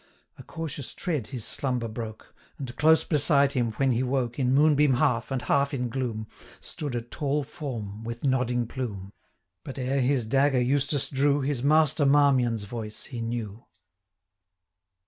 530 A cautious tread his slumber broke, And, close beside him, when he woke, In moonbeam half, and half in gloom, Stood a tall form, with nodding plume; But, ere his dagger Eustace drew, 535 His master Marmion's voice he knew.